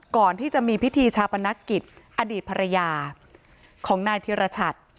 ก่อนที่จะมีพิธีชาปนกิจอดีตภรรยาของนายธิรชัด